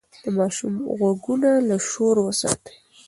د ماشوم غوږونه له شور وساتئ.